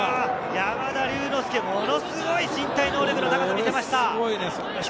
山田龍之介、ものすごい身体能力の高さを見せました。